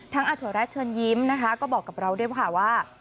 ทั้งอธรรยชเชิญยิ้มนะคะก็บอกกับเราด้วยค่ะว่า